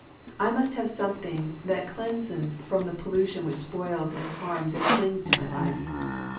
I must have something that cleanses from the pollution which spoils and harms and clings to my life.